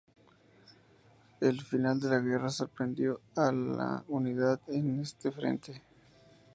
El final de la guerra sorprendió a la unidad en este frente.